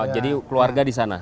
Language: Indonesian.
jadi keluarga di sana